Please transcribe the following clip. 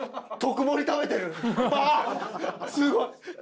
すごい！